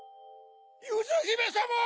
ゆずひめさま！